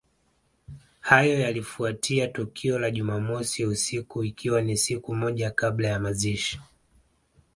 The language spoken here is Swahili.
Hayo yalifuatia tukio la jumamosi usiku ikiwa ni siku moja kabla ya mazishi